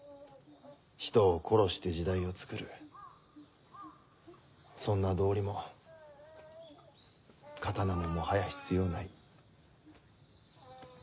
人を殺して時代をつくるそんな道理も刀ももはや必要ない。